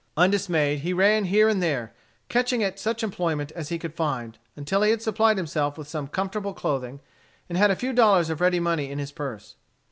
Undismayed he ran here and there, catching at such employment as he could find, until he had supplied himself with some comfortable clothing, and had a few dollars of ready money in his purse.